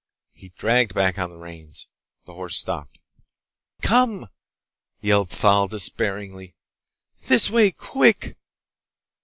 He dragged back on the reins. The horse stopped. "Come!" yelled Thal despairingly. "This way! Quick!"